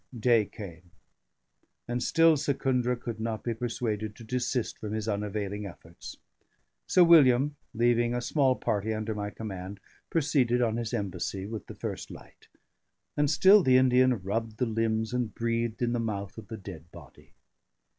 Day came, and still Secundra could not be persuaded to desist from his unavailing efforts. Sir William, leaving a small party under my command, proceeded on his embassy with the first light; and still the Indian rubbed the limbs and breathed in the mouth of the dead body.